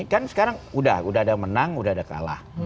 kan sekarang udah ada menang udah ada kalah